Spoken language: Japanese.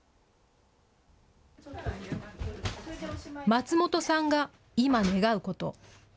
松本さんが今願うこと。